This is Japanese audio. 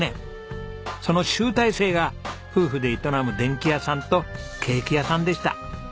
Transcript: その集大成が夫婦で営む電気屋さんとケーキ屋さんでした。